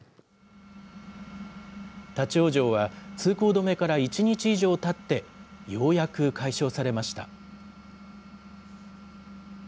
立往生は、通行止めから１日以上たって、ようやく解消されました。